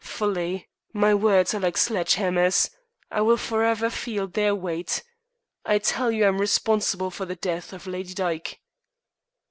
"Fully. My words are like sledge hammers. I will forever feel their weight. I tell you I am responsible for the death of Lady Dyke."